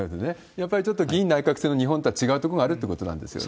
やっぱりちょっと議院内閣制の日本とは違うところがあるってそうです。